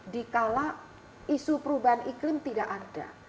dikala isu perubahan iklim tidak ada